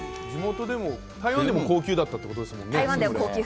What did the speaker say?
地元でも台湾でも高級だったということですもんね。